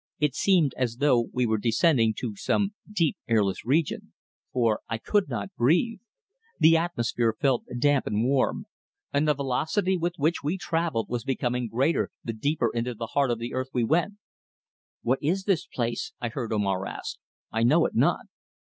It seemed as though we were descending to some deep, airless region, for I could not breathe; the atmosphere felt damp and warm, and the velocity with which we travelled was becoming greater the deeper into the heart of the earth we went. "What is this place?" I heard Omar ask. "I know it not."